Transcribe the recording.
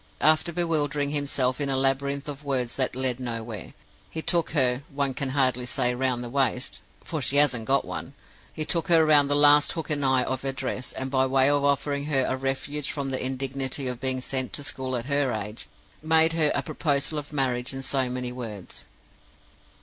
After bewildering himself in a labyrinth of words that led nowhere, he took her one can hardly say round the waist, for she hasn't got one he took her round the last hook and eye of her dress, and, by way of offering her a refuge from the indignity of being sent to school at her age, made her a proposal of marriage in so many words.